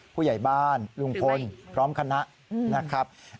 ผู้ใหญ่บ้านลุงพลพร้อมคณะนะครับ